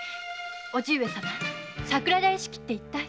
伯父上様桜田屋敷っていったい？